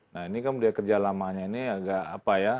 nah ini kan dia kerja lamanya ini agak apa ya